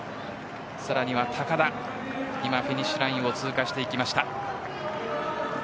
さらに高田がフィニッシュラインを通過しました。